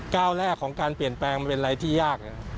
ก้าวแรกของการเปลี่ยนแปลงมันเป็นอะไรที่ยาก